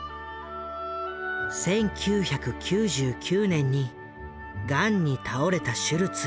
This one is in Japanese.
１９９９年にがんに倒れたシュルツ。